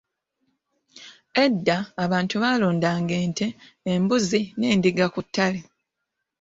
"Edda, abantu baalundanga ente, embuzi n’endiga ku ttale."